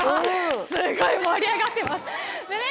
すごい盛り上がってます。